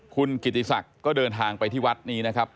คุณกิติศักดิ์ก็เดินทางไปที่วัดนี้นะครับ